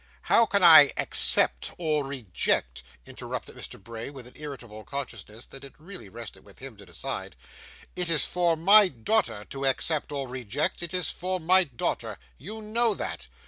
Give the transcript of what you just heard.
'How can I accept or reject,' interrupted Mr. Bray, with an irritable consciousness that it really rested with him to decide. 'It is for my daughter to accept or reject; it is for my daughter. You know that.